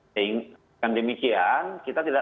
dengan demikian kita tidak